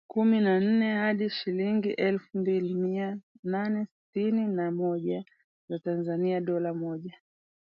kumi na nne hadi shilingi elfu mbili mia nane sitin na moja za Tanzania dola moja